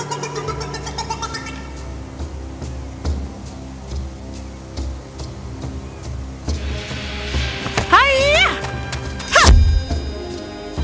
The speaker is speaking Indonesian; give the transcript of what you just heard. tidak tidak tidak